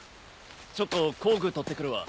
ちょっと工具取ってくるわ。